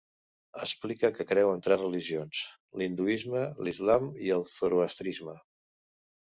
Explica que creu en tres religions: l'hinduisme, l'islam i el zoroastrisme.